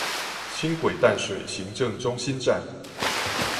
輕軌淡水行政中心站